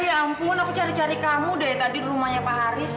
ya ampun aku cari cari kamu dari tadi rumahnya pak haris